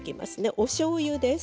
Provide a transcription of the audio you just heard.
おしょうゆです。